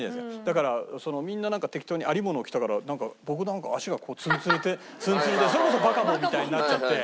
だからみんな適当に有り物を着たから僕なんか足がつんつるてんつんつるでそれこそバカボンみたいになっちゃって。